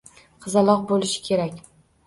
Qizaloq bo`lishi kerak